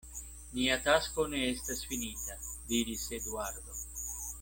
Nia tasko ne estas finita, diris Eduardo.